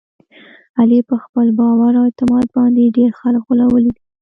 علي په خپل باور او اعتماد باندې ډېر خلک غولولي دي.